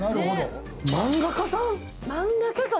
漫画家さん？